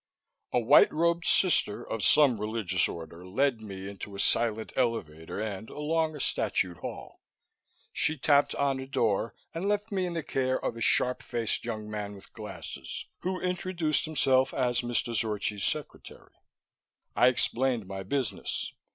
A white robed sister of some religious order led me into a silent elevator and along a statued hall. She tapped on a door, and left me in the care of a sharp faced young man with glasses who introduced himself as Mr. Zorchi's secretary. I explained my business.